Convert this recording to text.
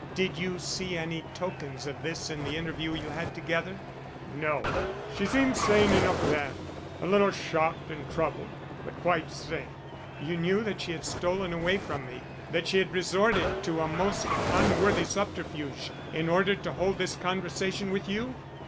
Did you see any tokens of this in the interview you had together?" "No; she seemed sane enough then; a little shocked and troubled, but quite sane." "You knew that she had stolen away from me that she had resorted to a most unworthy subterfuge in order to hold this conversation with you?"